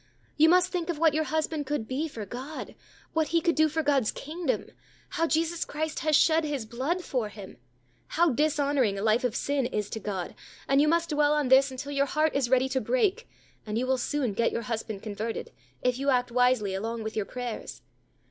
You must think of what your husband could be for God what he could do for God's kingdom how Jesus Christ has shed His blood for him how dishonoring a life of sin is to God; and you must dwell on this until your heart is ready to break, and you will soon get your husband converted, if you act wisely along with your prayers.